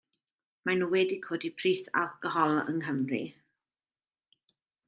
Maen nhw wedi codi pris alcohol yng Nghymru.